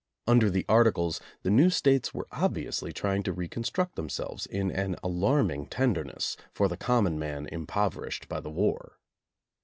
Under the Articles the new States were obviously trying to reconstruct them selves in an alarming tenderness for the common man impoverished by the war.